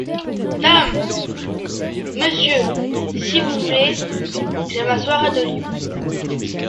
Dame !… monsieur, si vous voulez… j’ai ma soirée de libre.